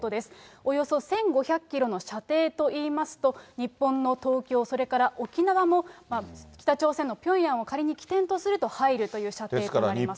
およそ１５００キロの射程といいますと、日本の東京、それから沖縄も、北朝鮮のピョンヤンを仮に起点とすると入るという射程となります。